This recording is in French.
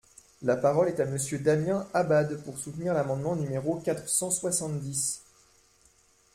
La parole est à Monsieur Damien Abad, pour soutenir l’amendement numéro quatre cent soixante-dix.